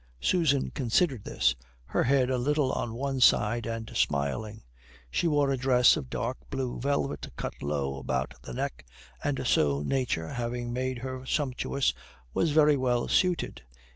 Susan considered this, her head a little on one side and smiling. She wore a dress of dark blue velvet cut low about the neck, and so, nature having made her sumptuous, was very well suited.